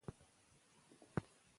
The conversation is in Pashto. خلک به انتخاب ولري.